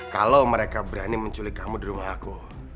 kalau mereka berani menculik kamu di rumah aku